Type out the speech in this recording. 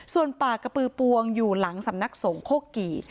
ส่วนป่ากระปือปวงอยู่หลังสำนักสงฆกี่